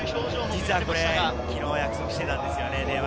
実は昨日、約束していたんです。